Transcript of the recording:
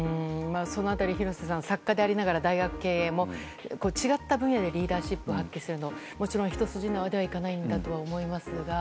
その辺り廣瀬さん作家でありながら大学経営も、違った分野でリーダーシップを発揮するのはもちろん一筋縄ではいかないとは思いますが。